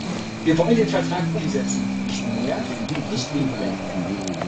Wir wollen den Vertrag umsetzen, nicht mehr und nicht weniger.